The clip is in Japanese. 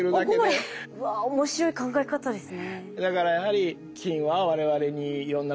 うわ面白い考え方ですね。